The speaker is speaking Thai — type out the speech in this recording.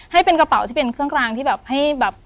ให้เป็นกระเป๋าที่เป็นเครื่องกลางที่แบบให้แบบ